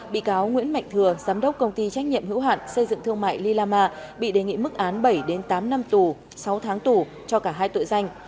bị cáo nguyễn mạnh thừa giám đốc công ty trách nhiệm hữu hạn xây dựng thương mại lila ma bị đề nghị mức án bảy tám năm tù sáu tháng tù cho cả hai tội danh